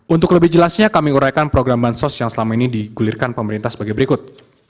untuk lebih jelasnya kami uraikan program bansos yang selama ini digulirkan pemerintah sebagai berikut